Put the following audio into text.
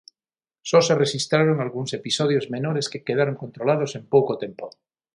Só se rexistraron algúns episodios menores que quedaron controlados en pouco tempo.